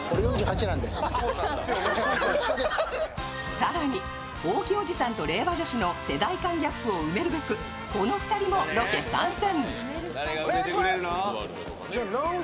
更に、大木おじさんと令和女子の世代間ギャップを埋めるべく、この２人もロケ参戦。